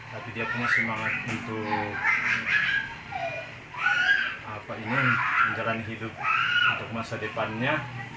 tapi dia punya semangat untuk menjalani hidup untuk masa depannya